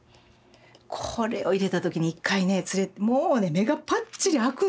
これを入れた時に一回ねもうね目がパッチリ開くんですよ。